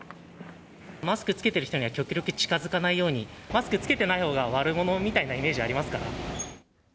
マスク着けてる人には近づかないように、マスク着けてないほうが悪者みたいなイメージありますから。